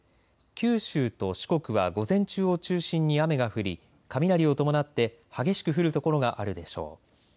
九州と四国は午前中を中心に雨が降り雷を伴って激しく降る所があるでしょう。